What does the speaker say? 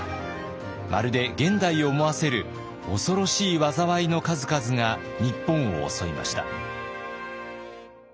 まるで現代を思わせる恐ろしい災いの数々が日本を襲いました。